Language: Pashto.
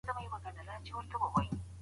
دولت نسي کولای خلګ په زور وساتي.